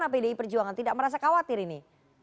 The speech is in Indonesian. pdi perjuangan tidak merasa khawatir ini